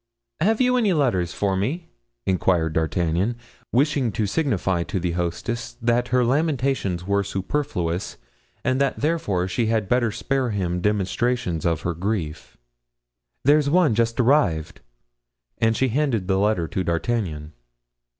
"Have you any letters for me?" inquired D'Artagnan, wishing to signify to the hostess that her lamentations were superfluous and that therefore she had better spare him demonstrations of her grief. "There's one just arrived," and she handed the letter to D'Artagnan.